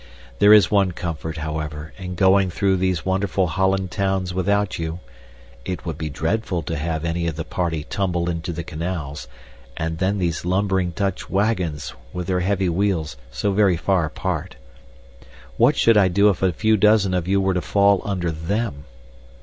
There is one comfort, however, in going through these wonderful Holland towns without you it would be dreadful to have any of the party tumble into the canals; and then these lumbering Dutch wagons, with their heavy wheels, so very far apart; what should I do if a few dozen of you were to fall under THEM?